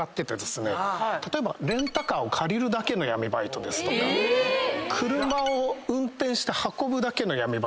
例えばレンタカーを借りるだけの闇バイトですとか車を運転して運ぶだけの闇バイトとかですね。